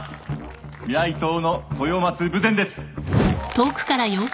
未来党の豊松豊前です。